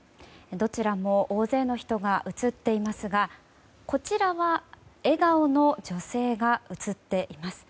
どちらも大勢の人が写っていますがこちらは笑顔の女性が写っています。